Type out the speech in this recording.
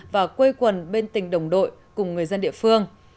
và quây quần bên tình đồng đội cùng người dân địa phương